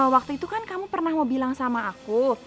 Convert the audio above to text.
waktu itu kan kamu pernah mau bilang sama aku